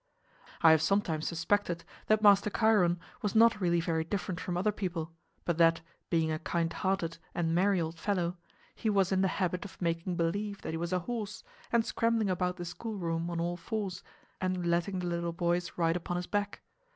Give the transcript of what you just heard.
I have sometimes suspected that Master Chiron was not really very different from other people, but that, being a kind hearted and merry old fellow, he was in the habit of making believe that he was a horse, and scrambling about the schoolroom on all fours and letting the little boys ride upon his back.